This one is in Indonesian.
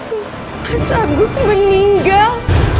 mas agus meninggal